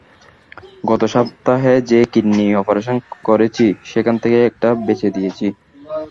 গত সপ্তাহে যে কিডনি অপারেশন করেছি সেখান থেকে একটা বেচে দিয়েছি।